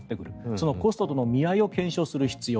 そのコストとの見合いを検証する必要